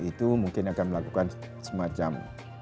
itu mungkin akan melakukan semacam